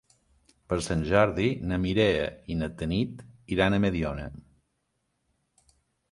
Per Sant Jordi na Mireia i na Tanit iran a Mediona.